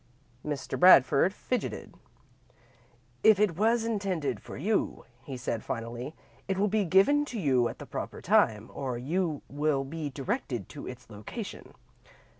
Mr. Bradford fidgeted. "If it was intended for you," he said, finally, "it will be given to you at the proper time, or you will be directed to its location.